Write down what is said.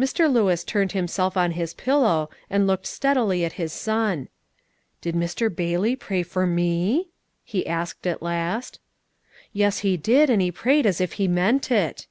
Mr. Lewis turned himself on his pillow, and looked steadily at his son. "Did Mr. Bailey pray for me?" he asked at last. "Yes, he did; and he prayed as if he meant it."